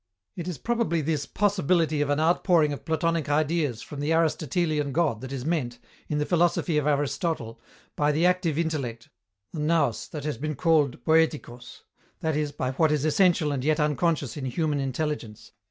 It is probably this possibility of an outpouring of Platonic Ideas from the Aristotelian God that is meant, in the philosophy of Aristotle, by the active intellect, the [Greek: nous] that has been called [Greek: poiêtikos] that is, by what is essential and yet unconscious in human intelligence.